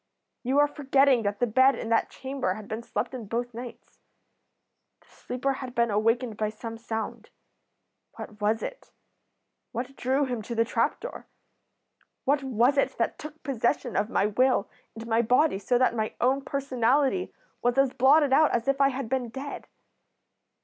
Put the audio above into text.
You are forgetting that the bed in that chamber had been slept in both nights. The sleeper had been awakened by some sound. What was it? What drew him to the trap door? What was it that took possession of my will and my body so that my own personality was as blotted out as if I had been dead?